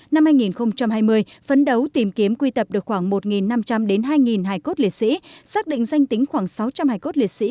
năm hai nghìn hai mươi phấn đấu tìm kiếm quy tập được khoảng một năm trăm linh đến hai hài cốt liệt sĩ xác định danh tính khoảng sáu trăm linh hải cốt liệt sĩ